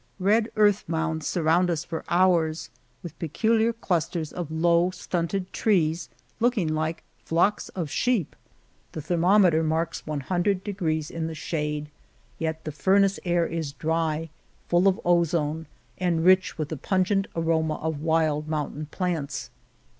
Red earth mounds surround us for hours with peculiar clusters of low, stunted trees, looking like flocks of sheep. The thermometer marks loo degrees in the shade, yet the furnace air is dry, full of ozone, and rich with the pungent aroma of wild mountain plants.